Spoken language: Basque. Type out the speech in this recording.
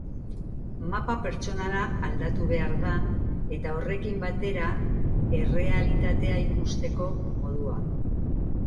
Mapa pertsonala aldatu behar da, eta horrekin batera errealitatea ikusteko modua.